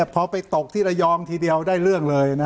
พอไปตกที่ระยองทีเดียวได้เรื่องเลย